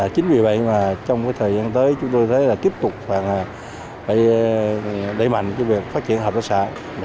chính vì vậy mà trong thời gian tới chúng tôi thấy là tiếp tục phải đẩy mạnh cái việc phát triển hợp tác xã